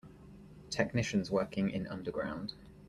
Technicians working in underground.